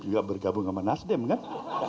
nggak bergabung sama nasdem kan